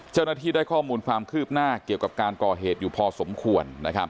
เจ้าหน้าที่ได้ข้อมูลความคืบหน้าเกี่ยวกับการก่อเหตุอยู่พอสมควร